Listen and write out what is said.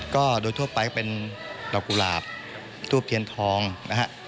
ก็โดยทั่วไปเป็นดอกกุหลาบทูบเทียนทองนะฮะ